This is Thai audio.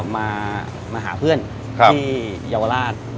แล้วก็มาหาเพื่อนที่เยาวราช